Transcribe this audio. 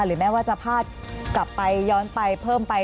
แม้ว่าจะพลาดกลับไปย้อนไปเพิ่มไป